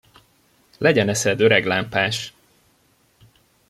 Legyen eszed, öreg lámpás!